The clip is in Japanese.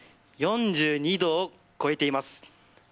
４２度を超えています。